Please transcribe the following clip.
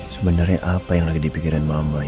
sebenarnya apa yang lagi dipikirin mama